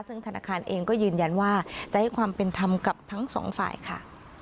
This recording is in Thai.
ซึ่งธนาคารเองก็ยืนยันว่าจะให้ความเป็นธรรมกับทั้งสองฝ่ายค่ะ